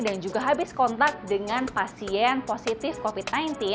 dan juga habis kontak dengan pasien positif covid sembilan belas